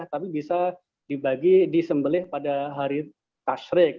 tapi bisa dibagi disembelih pada hari tashrik